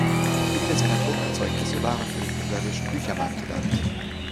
Viele seiner Druckerzeugnisse waren für den ungarischen Büchermarkt gedacht.